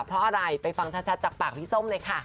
เพราะอะไรไปฟังชัดจากปากพี่ส้มเลยค่ะ